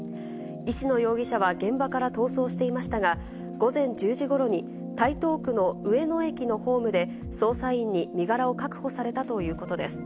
石野容疑者は、現場から逃走していましたが、午前１０時ごろに、台東区の上野駅のホームで、捜査員に身柄を確保されたということです。